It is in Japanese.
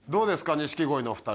錦鯉のお２人。